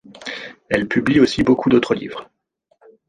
Elle publie aussi beaucoup d'autres livres.